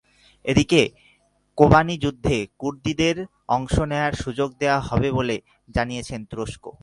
এদিকে কোবানি যুদ্ধে কুর্দিদের অংশ নেওয়ার সুযোগ দেওয়া হবে বলে জানিয়েছে তুরস্ক।